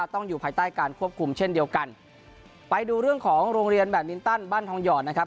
ต้องอยู่ภายใต้การควบคุมเช่นเดียวกันไปดูเรื่องของโรงเรียนแบบมินตันบ้านทองหยอดนะครับ